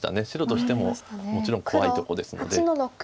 白としてももちろん怖いとこですので。